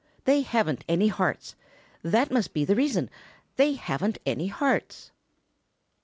They haven't any hearts. That must be the reason; they haven't any hearts."